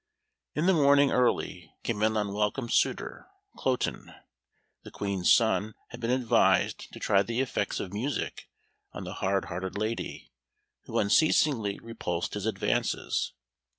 In the morning early came an unwelcome suitor. Cloten, the Queen's son, had been advised to try the effects of music on the hard hearted lady, who unceasingly repulsed his advances.